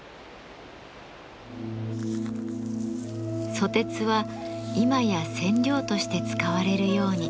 ソテツは今や染料として使われるように。